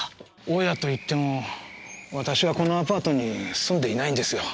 大家といっても私はこのアパートに住んでいないんですよ。